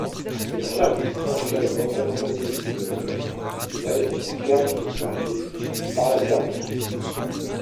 Les Serbes du Conseil représentaient les résidents serbes de Croatie, pas la Serbie.